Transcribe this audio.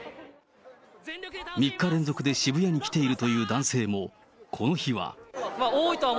３日連続で渋谷に来ているという男性も、この日は。